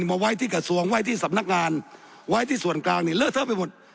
มาไว้ที่กระทรวงไว้ที่สำนักงานไว้ที่ส่วนกลางเนี่ยเลอะเทอะไปหมด